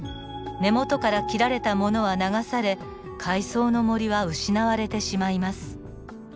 根元から切られたものは流され海藻の森は失われてしまいます。